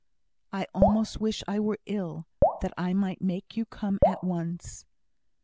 "I almost wish I were ill, that I might make you come at once."